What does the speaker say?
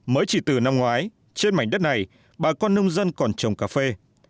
mới chỉ từ năm ngoái trên mảnh đất này bà con nông dân còn trồng cà phê